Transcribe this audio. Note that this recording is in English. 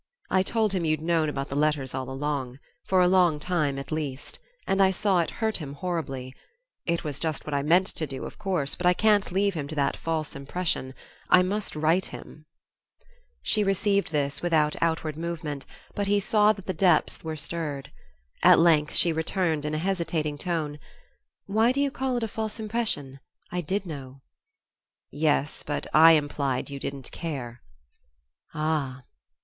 I told him you'd known about the letters all along; for a long time, at least; and I saw it hurt him horribly. It was just what I meant to do, of course; but I can't leave him to that false impression; I must write him." She received this without outward movement, but he saw that the depths were stirred. At length she returned, in a hesitating tone, "Why do you call it a false impression? I did know." "Yes, but I implied you didn't care." "Ah!"